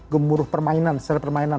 gemburuh permainan seri permainan